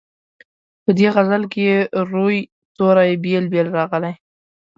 په دې غزل کې روي توري بېل بېل راغلي.